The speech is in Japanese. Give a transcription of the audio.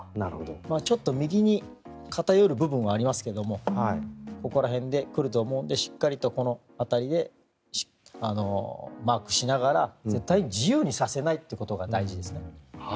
ちょっと右に偏る部分はありますがここら辺で来ると思うのでしっかりとこの辺りでマークしながら絶対自由にさせないということが大事ですね。